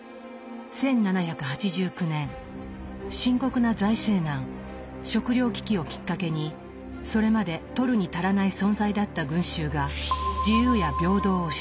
１７８９年深刻な財政難食糧危機をきっかけにそれまで取るに足らない存在だった群衆が自由や平等を主張。